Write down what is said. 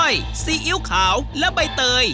ซีอิ๊วขาวและใบเตย